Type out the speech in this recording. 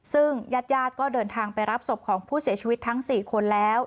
ซึ่งญาติญาติก็เดินทางไปรับศพของผู้เสียชีวิตทั้ง๔คนแล้ว